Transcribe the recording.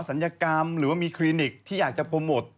ศัลยกรรมหรือว่ามีคลินิกที่อยากจะโปรโมท